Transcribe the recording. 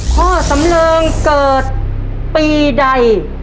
พ่อสำเริงเกิดปีใด